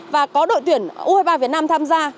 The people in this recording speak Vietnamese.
và có đội tuyển u hai mươi ba việt nam tham gia